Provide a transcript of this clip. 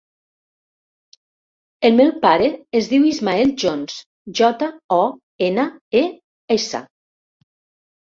El meu pare es diu Ismael Jones: jota, o, ena, e, essa.